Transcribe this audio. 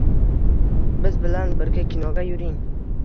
Biz bilan birga kinoga yuring.